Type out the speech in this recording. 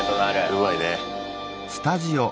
うまいね。